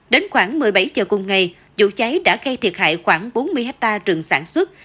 đến khoảng một mươi bảy giờ cùng ngày vụ cháy đã gây thiệt hại khoảng bốn mươi hectare rừng sản xuất